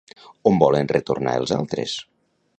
On volen retornar els altres?